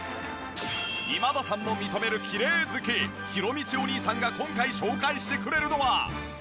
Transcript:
今田さんも認めるきれい好きひろみちお兄さんが今回紹介してくれるのは。